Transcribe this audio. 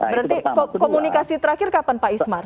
berarti komunikasi terakhir kapan pak ismar